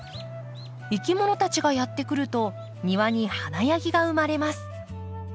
いきものたちがやって来ると庭に華やぎが生まれます。